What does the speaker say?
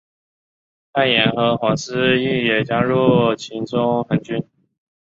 秦彦和毕师铎也加入了秦宗衡军。